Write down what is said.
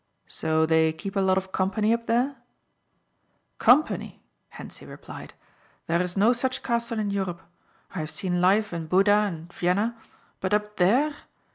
"So they keep a lot of company up there?" "Company!" Hentzi replied, "there is no such castle in Europe. I have seen life in Buda and Vienna but up there!